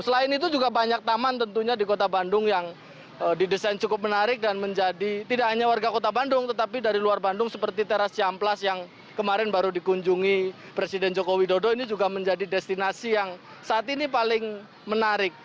selain itu juga banyak taman tentunya di kota bandung yang didesain cukup menarik dan menjadi tidak hanya warga kota bandung tetapi dari luar bandung seperti teras ciampelas yang kemarin baru dikunjungi presiden joko widodo ini juga menjadi destinasi yang saat ini paling menarik